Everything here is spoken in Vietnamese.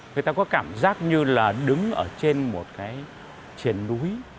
người ta có cảm giác như là đứng ở trên một cái triền núi